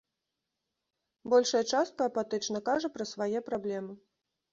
Большая частка апатычна кажа пра свае праблемы.